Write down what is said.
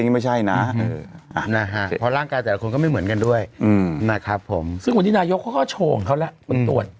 ไม่ใช่นะเพราะร่างกายแต่ละคนก็ไม่เหมือนกันด้วยนะครับผมซึ่งวันนี้นายกเขาก็โชว์ของเขาแล้วมันตรวจ